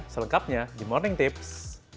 selengkapnya di morning tips